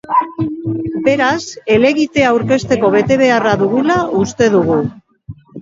Beraz, helegitea aurkezteko betebeharra dugula uste dugu.